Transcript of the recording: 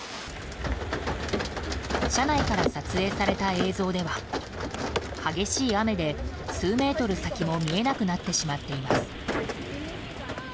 車内から撮影された映像では激しい雨で数メートル先も見えなくなってしまっています。